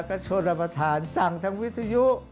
กับชนรัมนทานสั่งทั้งวิทยุ